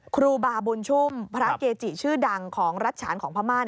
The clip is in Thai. ครูบาบุญชุ่มพระเกจิชื่อดังของรัฐฉานของพม่า